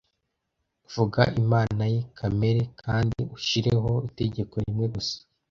vuga imana ye kamere kandi ushireho itegeko rimwe gusa